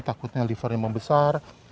jadi takutnya livernya membesar